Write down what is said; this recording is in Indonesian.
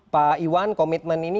pak iwan komitmen ini